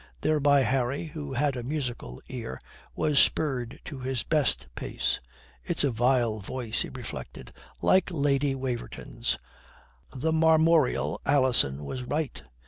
Thereby Harry, who had a musical ear, was spurred to his best pace. "It's a vile voice," he reflected; "like Lady Waverton's. The marmoreal Alison was right.